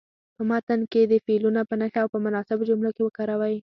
په متن کې دې فعلونه په نښه او په مناسبو جملو کې وکاروئ.